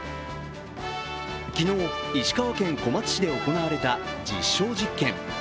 昨日、石川県小松市で行われた実証実験。